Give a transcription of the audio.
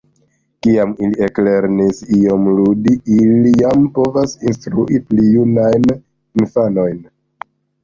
Kiam ili eklernis iom ludi, ili jam povas instrui pli junajn infanojn.